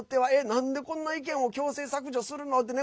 なんでこんな意見を強制削除するの？ってね。